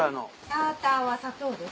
サーターは砂糖です。